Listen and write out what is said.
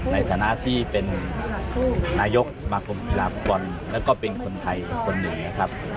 ในฐานะที่เป็นนายกสมาคมกีฬาฟุตบอลแล้วก็เป็นคนไทยอีกคนหนึ่งนะครับ